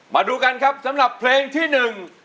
มาดูกันครับสำหรับเพลงที่หนึ่ง